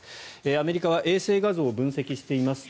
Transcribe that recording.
アメリカは衛星画像を分析しています。